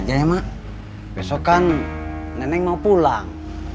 ayolah ya mak besok kan nenek mau pulang